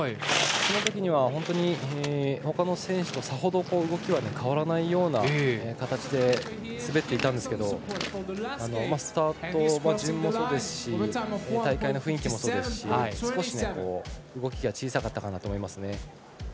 そのときには本当にほかの選手とさほど動きは変わらないような形で滑っていたんですけどスタートは順もそうですし大会の雰囲気もそうですし少し動きが小さかったかなと思いますね。